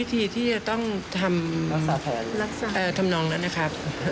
แต่มีการแขกกดขับบางกะ